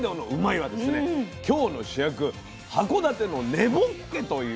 はですね今日の主役函館の根ぼっけという。